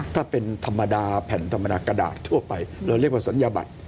ถ้าเป็นธรรมดาแผ่นธรรมดากระดาษทั่วไปเราเรียกว่าศัลยบัตร